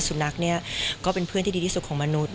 สุนัขเนี่ยก็เป็นเพื่อนที่ดีที่สุดของมนุษย